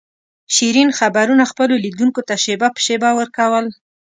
شیرین خبرونه خپلو لیدونکو ته شېبه په شېبه ور کول.